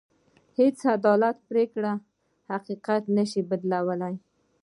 هېڅ عدالتي پرېکړه حقيقت نه شي بدلولی.